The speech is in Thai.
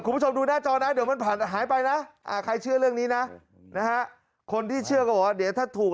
คุณผู้ชมดูหน้าจอนะเดี๋ยวมันผ่านหายไปนะใครเชื่อเรื่องนี้นะคนที่เชื่อก็บอกว่าเดี๋ยวถ้าถูก